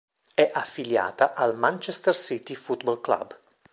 È affiliata al Manchester City Football Club.